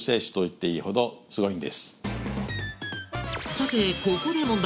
さてここで問題！